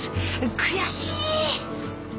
悔しい！